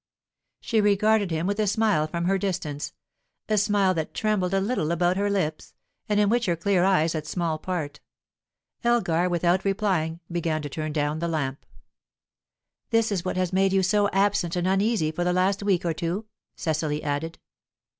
She regarded him with a smile from her distance, a smile that trembled a little about her lips, and in which her clear eyes had small part. Elgar, without replying, began to turn down the lamp. "This is what has made you so absent and uneasy for the last week or two?" Cecily added.